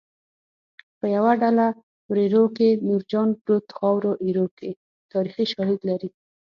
په یوه ډله وریرو کې نورجان پروت خاورو ایرو کې تاریخي شالید لري